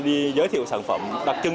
và giới thiệu sản phẩm đặc trưng